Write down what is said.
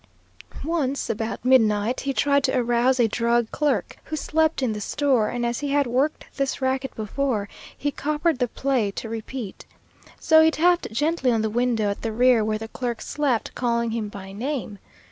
Once, about midnight, he tried to arouse a drug clerk who slept in the store, and as he had worked this racket before, he coppered the play to repeat. So he tapped gently on the window at the rear where the clerk slept, calling him by name.